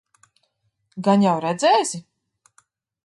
Gan jau redzēsi?